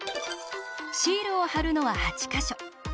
シールを貼るのは８か所。